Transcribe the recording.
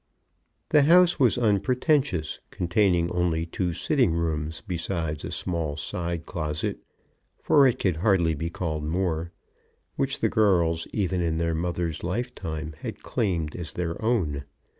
The house was unpretentious, containing only two sitting rooms besides a small side closet, for it could hardly be called more, which the girls even in their mother's lifetime had claimed as their own.